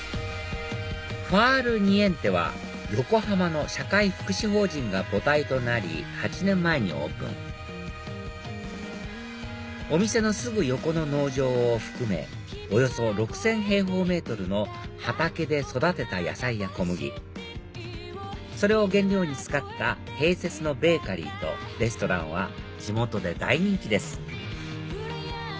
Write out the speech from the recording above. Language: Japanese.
ファールニエンテは横浜の社会福祉法人が母体となり８年前にオープンお店のすぐ横の農場を含めおよそ６０００平方メートルの畑で育てた野菜や小麦それを原料に使った併設のベーカリーとレストランは地元で大人気です